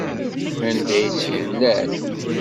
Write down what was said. Anda tt-yemlal?